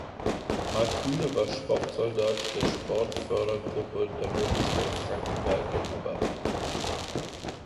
Marc Kühne war Sportsoldat der Sportfördergruppe der Bundeswehr Frankenberg und Oberhof.